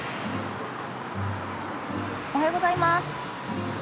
おはようございます。